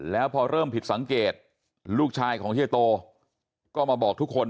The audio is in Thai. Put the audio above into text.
แล้วพอเริ่มผิดสังเกตลูกชายของเฮียโตก็มาบอกทุกคน